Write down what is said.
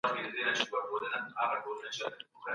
د بودیجې بحثونه کله پیلیږي؟